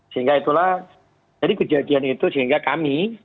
sehingga itulah jadi kejadian itu sehingga kami